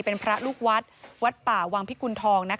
เป็นพระลูกวัดวัดป่าวังพิกุณฑอง